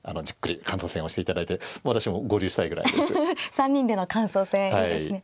３人での感想戦いいですね。